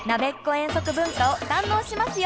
遠足文化を堪能しますよ！